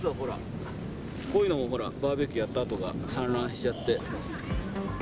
こういうの、ほら、バーベキューやったあとが散乱しちゃって。